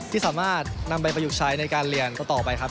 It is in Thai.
ที่สามารถนำไปประยุกต์ใช้ในการเรียนต่อไปครับ